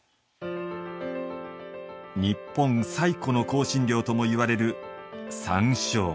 日本最古の香辛料ともいわれる山椒。